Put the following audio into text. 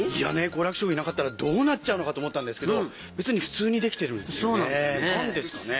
好楽師匠いなかったらどうなっちゃうのかと思ったんですけど別に普通にできてるんですよね何ですかね？